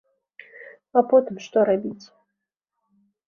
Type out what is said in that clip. А потым што рабіць?